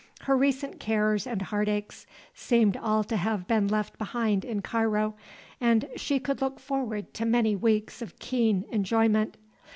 Her recent cares and heartaches seemed all to have been left behind in Cairo, and she could look forward to many weeks of keen enjoyment.